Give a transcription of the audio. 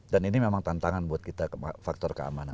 dan ini memang tantangan buat kita faktor keamanan